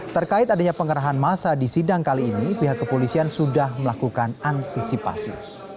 terkait adanya pengerahan masa di sidang kali ini pihak kepolisian sudah melakukan antisipasi